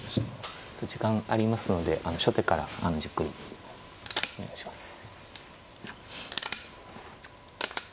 時間ありますので初手からじっくりお願いします。